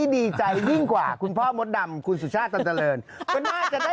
ช่วงหน้าเดี๋ยวกลับมาสักครู่เดี๋ยวครับ